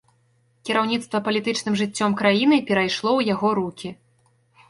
Кіраўніцтва палітычным жыццём краіны перайшло ў яго рукі.